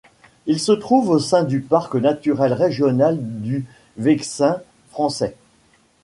Il se trouve au sein du Parc naturel régional du Vexin Français.